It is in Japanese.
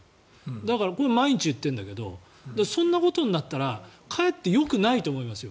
だからこれ毎日言ってるんだけどそんなことになったらかえってよくないと思いますよ。